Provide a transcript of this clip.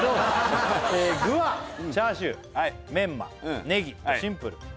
「具はチャーシューメンマネギとシンプル」